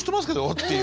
っていう。